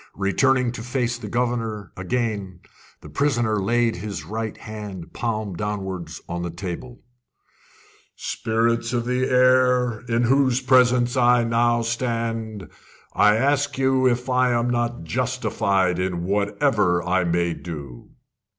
Returning to face the governor gain, the prisoner laid his right hand, palm downwards, on the table: "Spirits of the air, in whose presence I now stand, I ask you if I am not justified in whatever I may do?"